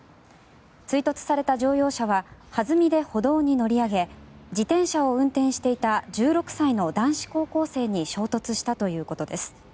追突された乗用車は弾みで歩道に乗り上げ自転車を運転していた１６歳の男子高校生に衝突したということです。